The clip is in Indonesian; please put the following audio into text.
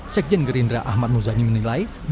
sekjen gerindra ahmad muzani menilai